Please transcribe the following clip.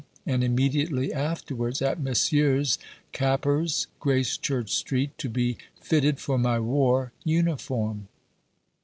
and immediately afterwards at Messrs. Cappers, Gracechurch Street, to be fitted for my war uniform.